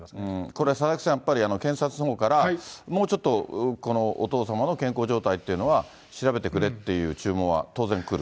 これ佐々木さん、やっぱり検察のほうから、もうちょっとお父様の健康状態というのは、調べてくれっていう注文は当然くる？